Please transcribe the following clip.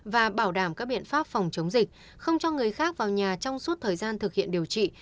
và bảo đảm các biện pháp phòng chống dịch không cho người khác vào nhà trong suốt thời gian thực hiện điều trị